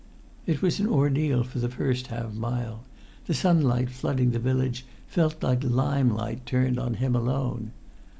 It was an ordeal for the first half mile: the sunlight flooding the village felt like limelight turned on him alone.